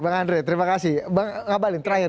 bang andre terima kasih bang ngabalin terakhir